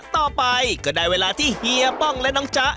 ต่อไปก็ได้เวลาที่เฮียป้องและน้องจ๊ะ